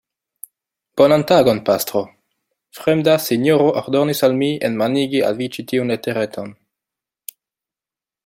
Bonan tagon, pastro; fremda sinjoro ordonis al mi enmanigi al vi ĉi tiun letereton.